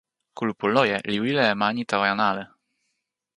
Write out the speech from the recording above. kulupu loje li wile e mani tawa jan ale.